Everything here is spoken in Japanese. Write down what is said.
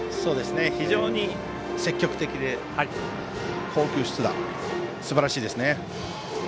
非常に積極的で好球必打、すばらしいですね。